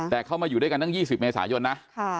แต่เข้ามาอยู่ด้วยกันตั้ง๒๐เมษายนนะ